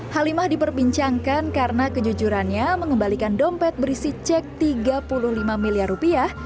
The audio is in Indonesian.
halimah diperbincangkan karena kejujurannya mengembalikan dompet berisi cek tiga puluh lima miliar rupiah